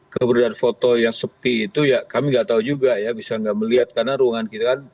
keberadaan foto yang sepi itu ya kami nggak tahu juga ya bisa nggak melihat karena ruangan kita kan